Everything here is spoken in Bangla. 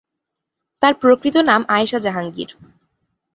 তার প্রকৃত নাম আয়েশা জাহাঙ্গীর।